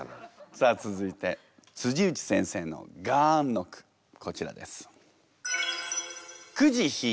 さあ続いて内先生の「ガーン」の句こちらです。